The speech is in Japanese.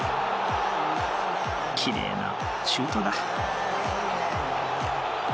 きれいなシュートだ。